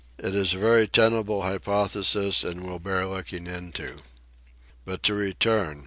It is a very tenable hypothesis, and will bear looking into. But to return.